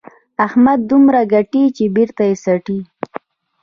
احمد دومره ګټي چې بېرته یې څټي.